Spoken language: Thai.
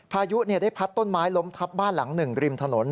พายุได้พัดต้นไม้ล้มทับบ้านหลังหนึ่งริมถนน